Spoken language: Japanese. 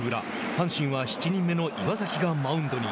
阪神は７人目の岩崎がマウンドに。